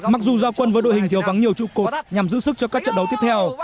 mặc dù giao quân với đội hình thiếu vắng nhiều trụ cột nhằm giữ sức cho các trận đấu tiếp theo